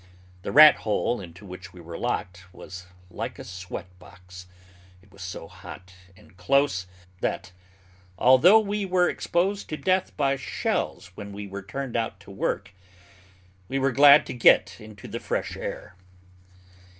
The "rat hole" into which we were locked, was like a sweat box; it was so hot and close, that, although we were exposed to death by shells when we were turned out to work, we were glad to get into the fresh air.